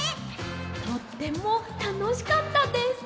とってもたのしかったです！